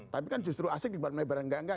tapi kan justru asik dibuat melebar yang nggak nggak